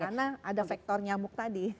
karena ada faktor nyamuk tadi